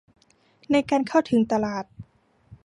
ในการเข้าถึงตลาด